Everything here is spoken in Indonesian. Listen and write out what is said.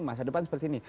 masa depan seperti ini